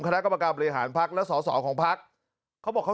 คณกมกรบรยหานพักแล้วสสอของพักเขาบอกเขา